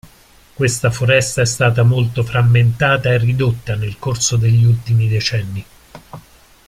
Questa foresta è stata molto frammentata e ridotta nel corso degli ultimi decenni.